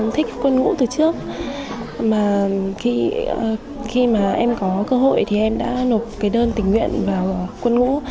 thích quân ngũ từ trước mà khi mà em có cơ hội thì em đã nộp cái đơn tình nguyện vào quân ngũ